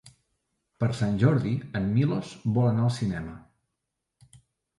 Per Sant Jordi en Milos vol anar al cinema.